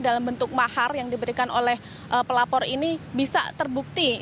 dalam bentuk mahar yang diberikan oleh pelapor ini bisa terbukti